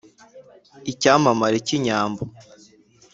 Icyamamare cy' inyambo,